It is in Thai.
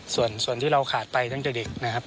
ส่วนที่เราขาดไปตั้งแต่เด็กนะครับ